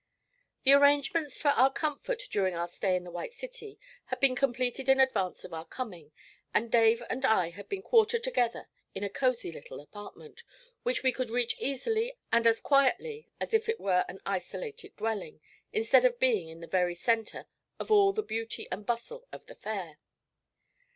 The arrangements for our comfort during our stay in the White City had been completed in advance of our coming, and Dave and I had been quartered together in a cosy little apartment, which we could reach easily and as quietly as if it were an isolated dwelling, instead of being in the very centre of all the beauty and bustle of the Fair.